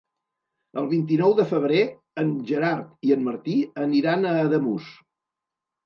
El vint-i-nou de febrer en Gerard i en Martí aniran a Ademús.